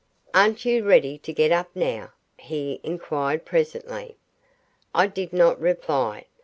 "Aren't you ready to get up now?" he inquired presently. I did not reply.